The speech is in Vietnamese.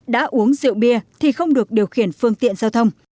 đã uống rượu bia thì không được điều khiển phương tiện giao thông